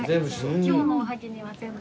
今日のおはぎには全部。